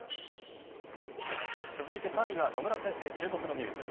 続いて３位は、野村先生注目のニュース。